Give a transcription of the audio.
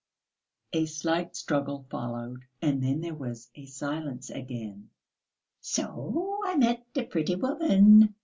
A slight struggle followed and then there was a silence again. "So I met a pretty woman